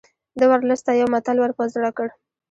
ده ورلسټ ته یو متل ور په زړه کړ.